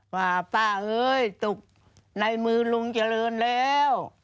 ว่าป้าเอ้ยตกในมือลุงเจริญแล้ว